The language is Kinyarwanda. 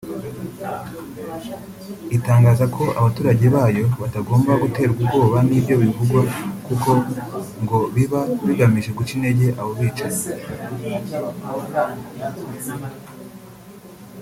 itangaza ko abaturage bayo batagomba guterwa ubwoba n’ibyo bivugwa kuko ngo biba bigamije guca intege abo bicanyi